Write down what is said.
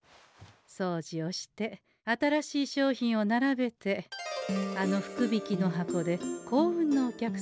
そうじをして新しい商品を並べてあの福引きの箱で幸運のお客様を選ぶ。